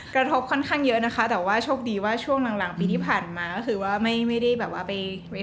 กระทบค่อนข้างเยอะนะคะแต่ว่าโชคดีว่าช่วงหลังปีที่ผ่านมาก็คือว่าไม่ได้แบบว่าไปไว้